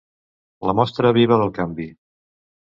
La Mostra Viva del canvi.